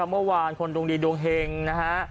เมื่อวานคนดวงดีดวงเฮงนะฮะ